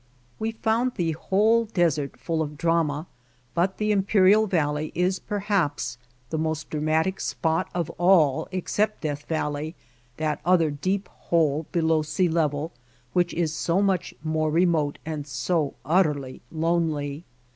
We found the whole desert full of drama, but the Imperial Valley is perhaps the most dra matic spot of all, except Death Valley, that other deep hole below sea level which is so much more remote and so utterly lonely.